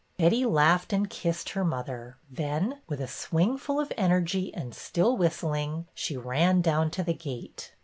Betty laughed and kissed her mother; then, with a swing full of energy and still whistling, she ran down to the gate.